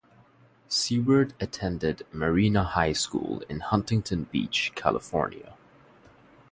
Seward attended Marina High School in Huntington Beach, California.